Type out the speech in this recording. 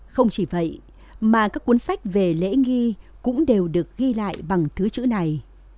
không chỉ vậy mà các cuốn sách về lễ nghi cũng đều được ghi lại bằng thứ chữ này